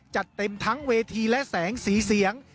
จัดเต็มทั้งเวทีและแสงสีเสียง